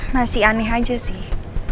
masih aneh aja sih